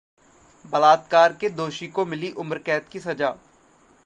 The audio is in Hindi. बलात्कार के दोषी को मिली उम्रकैद की सजा